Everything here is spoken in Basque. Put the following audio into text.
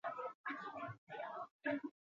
Honako ezaugarriek hartzen dute parte.